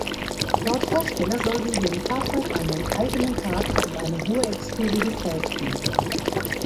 Laut Hersteller soll sie „dem Fahrzeug einen eigenen Charakter und eine hohe Exklusivität geben“.